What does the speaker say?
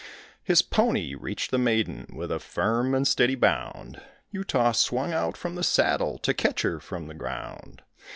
His pony reached the maiden with a firm and steady bound; Utah swung out from the saddle to catch her from the ground.